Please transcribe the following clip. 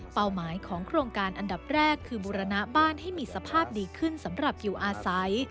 หมายของโครงการอันดับแรกคือบูรณะบ้านให้มีสภาพดีขึ้นสำหรับอยู่อาศัย